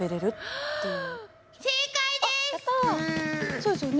そうですよね。